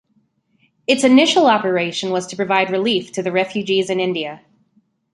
Its initial operation was to provide relief to the refugees in India.